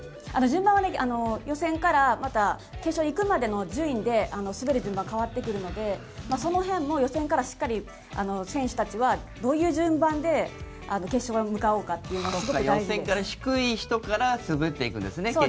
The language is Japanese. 順番は予選からまた決勝に行くまでの順位で滑る順番が変わってくるのでその辺も予選からしっかり選手たちはどういう順番で決勝へ向かおうかというのが予選から低い人から滑っていくんですね。